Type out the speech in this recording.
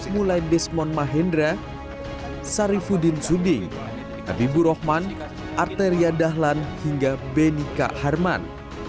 mulai desmond mahendra sarifudin suding habibur rahman arteria dahlan hingga benika harman